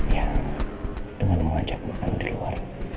ya dengan mengajak makan di luar